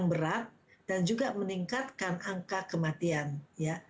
kita menyebabkan kondisi klinis yang berat dan juga meningkatkan angka kematian ya